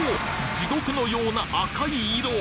地獄のような赤い色！